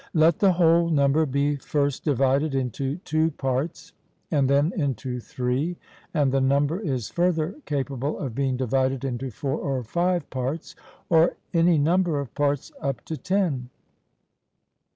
Let the whole number be first divided into two parts, and then into three; and the number is further capable of being divided into four or five parts, or any number of parts up to ten.